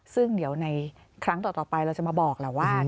ซึ่งเดี๋ยวในครั้งต่อไปเราจะมาบอกแหละว่า